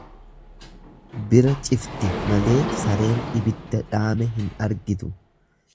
Bira cifti malee sareen ibidda dhaame hin argitu.